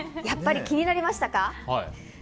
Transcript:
やっぱり気になりましたか？